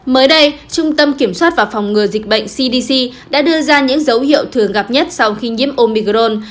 mới đây trung tâm kiểm soát và phòng ngừa dịch bệnh cdc đã đưa ra những dấu hiệu thường gặp nhất sau khi nhiễm omicron